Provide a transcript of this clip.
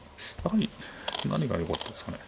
何がよかったですかね。